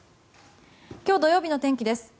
今日土曜日の天気です。